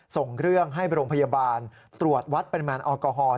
ส่งเรื่องให้โรงพยาบาลตรวจวัดปริมาณแอลกอฮอล์